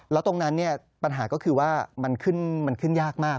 แล้วตรงนั้นปัญหาก็คือว่ามันขึ้นยากมาก